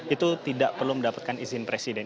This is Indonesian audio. itu tidak perlu mendapatkan izin presiden